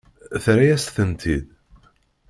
Terra-yas-tent-id?